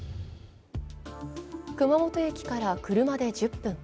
熊本駅から車で１０分。